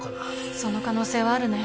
その可能性はあるね。